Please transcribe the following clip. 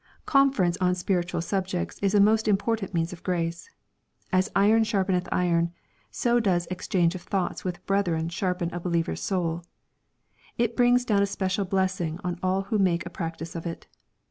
Conference on spiritual subjects is a most important means of grace. As iron sharpeneth iron, so does ex change of thoughts with brethren sharpen a believer's Boul. It brings down a special blessing on all who make a practice of it.